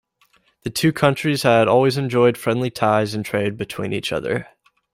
The two countries had always enjoyed friendly ties and trade between each other.